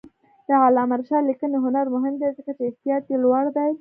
د علامه رشاد لیکنی هنر مهم دی ځکه چې احتیاط یې لوړ دی.